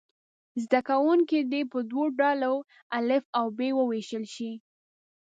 زده کوونکي دې په دوو ډلو الف او ب وویشل شي.